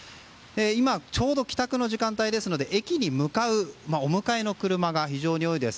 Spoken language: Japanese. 今、ちょうど帰宅の時間帯なので鋭気に向かうお迎えの車が非常に多いです。